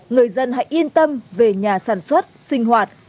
người dân hãy yên tâm về nhà sản xuất sinh hoạt